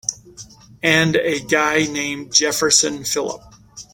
And a guy named Jefferson Phillip.